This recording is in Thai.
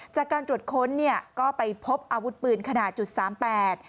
จากการตรวจค้นก็ไปพบอาวุธปืนขนาด๓๘